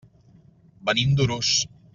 Venim d'Urús.